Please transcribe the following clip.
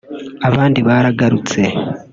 abandi baragarutse